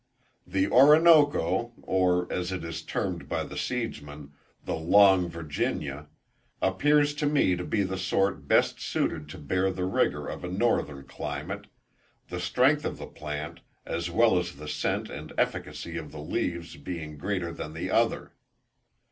The Oronokoe, or, as it is termed by the seedsmen, the long Virginia, appears to me to be the sort best suited to bear the rigour of a northern climate, the strength of the plant, as well as the scent and efficacy of the leaves being greater than the other.